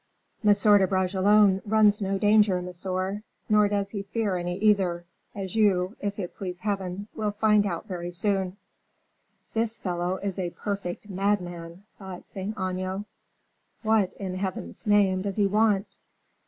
"M. de Bragelonne runs no danger, monsieur, nor does he fear any either, as you, if it please Heaven, will find out very soon." "This fellow is a perfect madman," thought Saint Aignan. "What, in Heaven's name, does he want?"